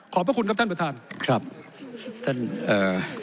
พระคุณครับท่านประธานครับท่านเอ่อ